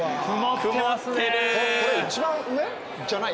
これ一番上？じゃない？